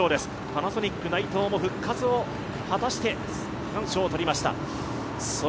パナソニック・内藤も復活を果たして区間賞を取りました。